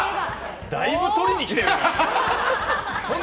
だいぶ取りに来てるな。